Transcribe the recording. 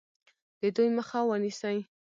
د دوی مخه ونیسي.